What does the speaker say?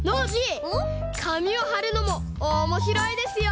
かみをはるのもおもしろいですよ！